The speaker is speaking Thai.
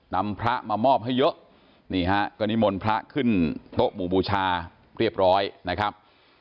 นำพระมามอบให้เยอะนี่ฮะก็นิมนต์พระขึ้นโต๊ะหมู่บูชาเรียบร้อยนะครับ